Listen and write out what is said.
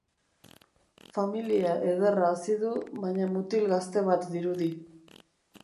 Familia ederra hazi du, baina mutil gazte bat dirudi.